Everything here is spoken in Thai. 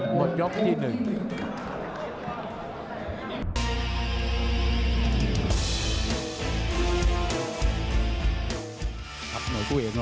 หมดยกที่หนึ่ง